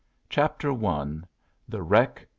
CHAPTER I. THE WRECK.